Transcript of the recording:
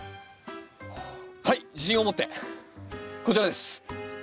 はい自信を持ってこちらです！